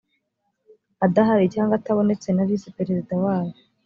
adahari cyangwa atabonetse na visi perezida wayo